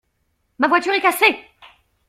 Ma voiture est cassée.